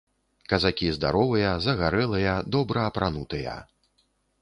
Казакі здаровыя, загарэлыя, добра апранутыя.